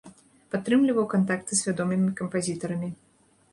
Падтрымліваў кантакты з вядомымі кампазітарамі.